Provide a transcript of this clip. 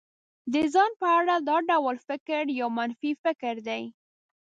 د ځان په اړه دا ډول فکر يو منفي فکر دی.